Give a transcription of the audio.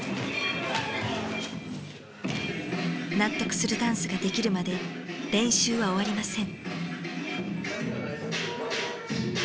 納得するダンスができるまで練習は終わりません。